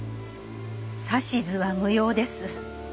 指図は無用です。